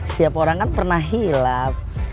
setiap orang kan pernah hilaf